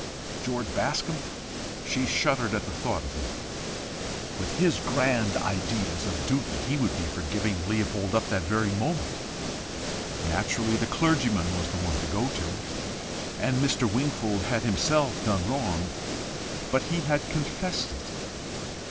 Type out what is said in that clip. George Bascombe? she shuddered at the thought of him. With his grand ideas of duty, he would be for giving up Leopold that very moment! Naturally the clergyman was the one to go to and Mr. Wingfold had himself done wrong. But he had confessed it!